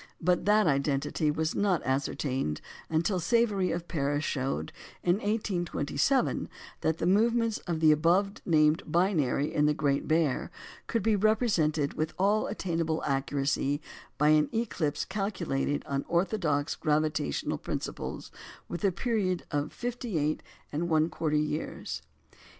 But that identity was not ascertained until Savary of Paris showed, in 1827, that the movements of the above named binary in the Great Bear could be represented with all attainable accuracy by an ellipse calculated on orthodox gravitational principles with a period of 58 1/4 years.